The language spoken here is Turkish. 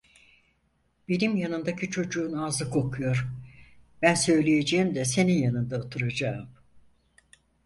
Benim yanımdaki çocuğun ağzı kokuyor, ben söyleyeceğim de senin yanında oturacağım…